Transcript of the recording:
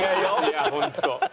いやホント。